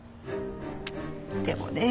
でもね